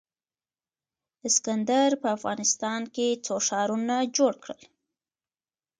اسکندر په افغانستان کې څو ښارونه جوړ کړل